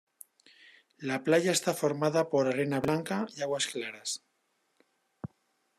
La playa está formada por arena blanca, y aguas claras.